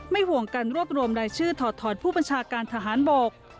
ห่วงการรวบรวมรายชื่อถอดผู้บัญชาการทหารบก